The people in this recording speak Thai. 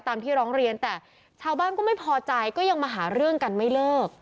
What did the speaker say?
ที่ร้องเรียนแต่ชาวบ้านก็ไม่พอใจก็ยังมาหาเรื่องกันไม่เลิก